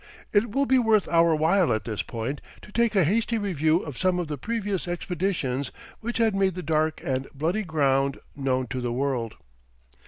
It will be worth our while at this point to take a hasty review of some of the previous expeditions which had made the "dark and bloody ground" known to the world.